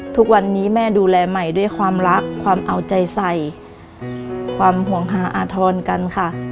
ทุกวันนี้แม่ดูแลใหม่ด้วยความรักความเอาใจใส่ความห่วงหาอาธรณ์กันค่ะ